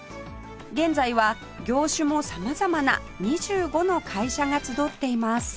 現在は業種も様々な２５の会社が集っています